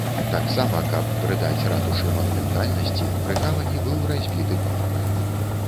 Таксама, каб прыдаць ратушы манументальнасці, пры гавані быў разбіты парк.